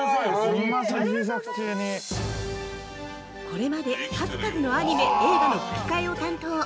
◆これまで数々のアニメ・映画の吹き替えを担当。